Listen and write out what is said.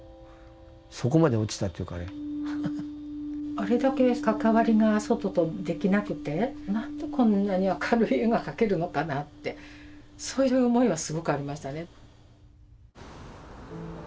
あれだけ関わりが外とできなくて何でこんなに明るい絵が描けるのかなってそういう思いはすごくありましたね。